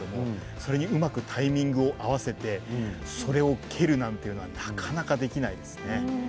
それにうまくタイミングを合わせてそれを蹴るなんていうのはなかなか、できないですね。